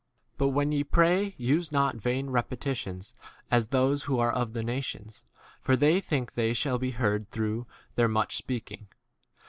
d But when ye pray, use not vain repetitions, as those who are of the nations ; for they think they shall be heard 8 through their much speaking.